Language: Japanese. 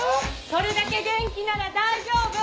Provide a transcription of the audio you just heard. それだけ元気なら大丈夫！